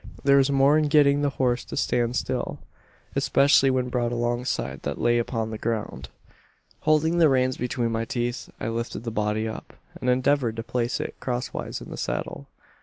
There was more in getting the horse to stand still especially when brought alongside what lay upon the ground. "Holding the reins between my teeth, I lifted the body up, and endeavoured to place it crosswise in the saddle.